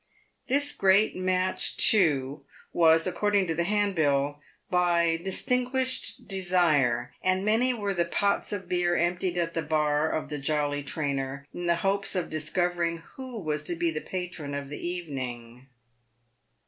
This great match, too, was, according to the handbill, by " distinguished desire," and many were the pots of beer emptied at the bar of " The Jolly Trainer," in the hopes of discovering who was to be the patron of the evening.